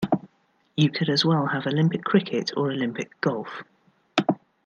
You could as well have Olympic cricket or Olympic golf.